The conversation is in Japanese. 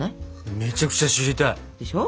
めちゃくちゃ知りたい。でしょ？